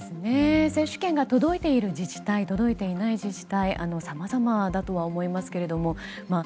接種券が届いている自治体届いていない自治体さまざまだと思いますけれども。